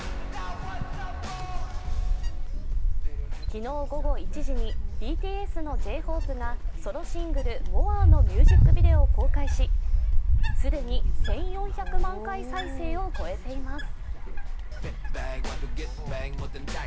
昨日午後１時にＢＴＳのＪ−ＨＯＰＥがソロシングル「ＭＯＲＥ」のミュージックビデオを公開し、既に１４００万回再生を超えています。